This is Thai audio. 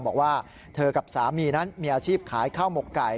บอกว่าเธอกับสามีนั้นมีอาชีพขายข้าวหมกไก่